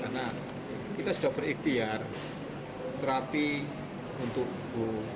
karena kita sudah berikhtiar terapi untuk buku